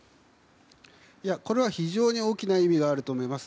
これは非常に大きな意味があると思います。